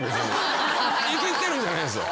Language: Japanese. イキってるんじゃないんですよ。